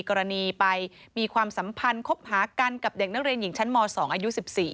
กรณีไปมีความสัมพันธ์คบหากันกับเด็กนักเรียนหญิงชั้นม๒อายุ๑๔